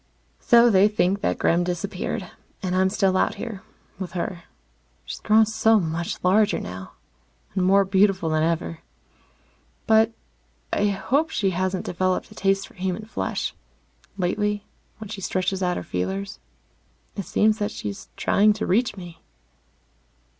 So they think that Gremm disappeared. And I'm still out here with her. She's grown so much larger now, and more beautiful than ever. But I hope she hasn't developed a taste for human flesh. Lately, when she stretches out her feelers, it seems that she's trying to reach me.